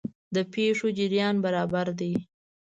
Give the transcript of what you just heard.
د پېښو جریان برابر دی.